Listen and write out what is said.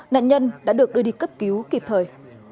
nạn nhân đã được đưa đi cấp cứu kịp thời